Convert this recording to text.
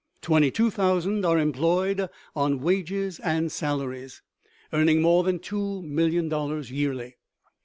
Twenty two thousand are employed on wages and salaries, earning more than two million dollars yearly.